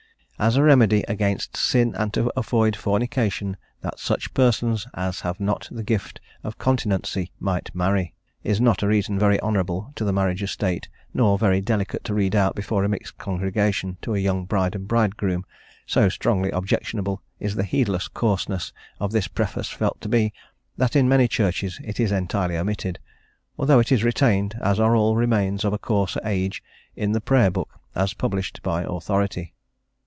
"As a remedy against sin and to avoid fornication, that such persons as have not the gift of continency might marry," is not a reason very honourable to the marriage estate, nor very delicate to read out before a mixed congregation to a young bride and bridegroom; so strongly objectionable is the heedless coarseness of this preface felt to be that in many churches it is entirely omitted, although it is retained as are all remains of a coarser age in the Prayer Book as published by authority.